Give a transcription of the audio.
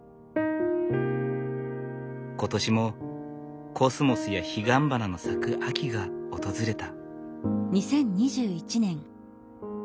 今年もコスモスやヒガンバナの咲く秋が訪れた。